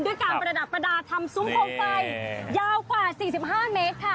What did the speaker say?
การประดับประดาษทำซุ้มโคมไฟยาวกว่า๔๕เมตรค่ะ